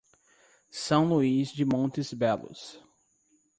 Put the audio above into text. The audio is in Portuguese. São Luís de Montes Belos